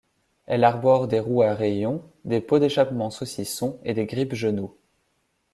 Elle arbore des roues à rayons, des pots d'échappement saucisson et des grippe-genoux.